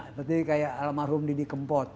seperti alamat rum didi kempot